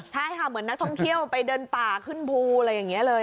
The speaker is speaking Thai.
ใช่ค่ะเหมือนนักท่องเที่ยวไปเดินป่าขึ้นภูอะไรอย่างนี้เลย